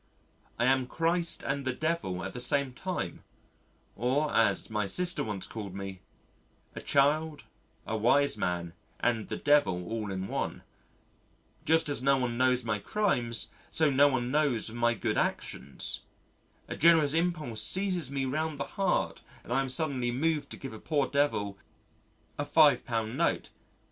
I am Christ and the Devil at the same time or as my sister once called me a child, a wise man, and the Devil all in one. Just as no one knows my crimes so no one knows of my good actions. A generous impulse seizes me round the heart and I am suddenly moved to give a poor devil a £5 note.